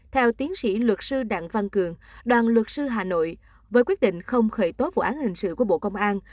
theo tiến sĩ luật sư đặng văn cường đoàn luật sư hà nội với quyết định không khởi tố vụ án hình sự của bộ công an